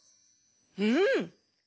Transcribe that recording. うん。